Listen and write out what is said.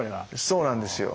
そうなんですよ。